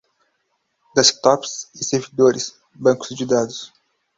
desktops e servidores, bancos de dados